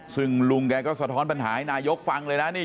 ซึ่งลุงแกก็สะท้อนปัญหาให้นายกฟังเลยนะนี่